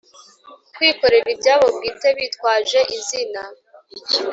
Kwikorera ibyabo bwite bitwaje izina